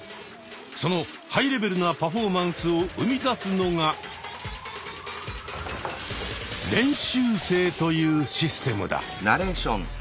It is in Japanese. そのハイレベルなパフォーマンスを生み出すのが「練習生」というシステムだ。